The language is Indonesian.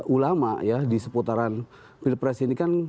ulama ya di seputaran pilpres ini kan